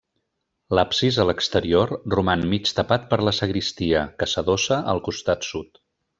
L’absis, a l’exterior, roman mig tapat per la sagristia, que s’adossa al costat sud.